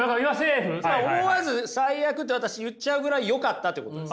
思わず「最悪」って私言っちゃうぐらいよかったってことです。